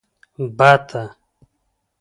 🪿بته